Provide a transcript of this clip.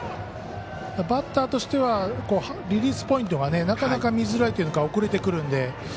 バッターとしてはリリースポイントがなかなか見づらいというか遅れてくるので。